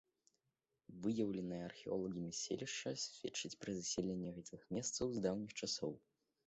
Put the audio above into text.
Выяўленае археолагамі селішча сведчыць пра засяленне гэтых месцаў з даўніх часоў.